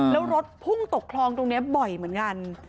แล้วรถพุ่งตกคลองตรงนี้บ่อยเหมือนกัน